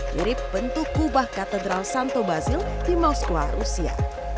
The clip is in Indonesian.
mirip bentuk kubah katedral santo basil di moskwa rusia